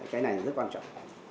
cái này rất quan trọng